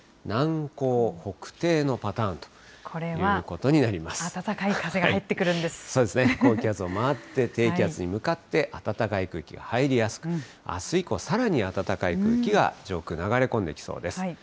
南高北低のパターンということにこれは暖かい風が入ってくるそうですね、高気圧を回って、低気圧に向かって暖かい空気入りやすく、あす以降、さらに暖かい空気が上空、流れ込んできそうです。